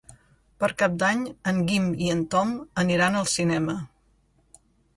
Per Cap d'Any en Guim i en Tom aniran al cinema.